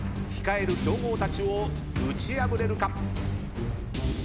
控える強豪たちを打ち破れるか？